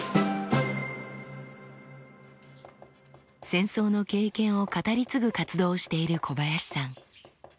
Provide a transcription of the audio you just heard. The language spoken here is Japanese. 戦争の経験を語り継ぐ活動をしている小林さん。